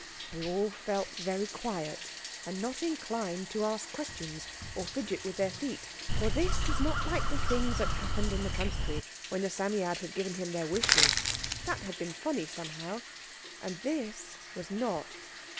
They all felt very quiet, and not inclined to ask questions or fidget with their feet. For this was not like the things that had happened in the country when the Psammead had given them their wishes. That had been funny somehow, and this was not.